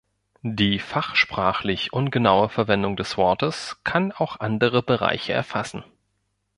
Die fachsprachlich ungenaue Verwendung des Wortes kann auch andere Bereiche erfassen.